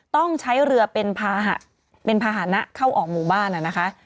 ต้องใช้เรือเป็นภาหะเป็นภาหณะเข้าออกหมู่บ้านอ่ะนะคะ